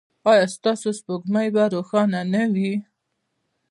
ایا ستاسو سپوږمۍ به روښانه نه وي؟